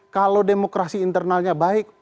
kalau demokrasi internalnya baik